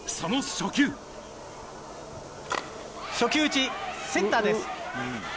初球打ちセンターです。